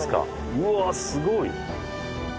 うわっすごい！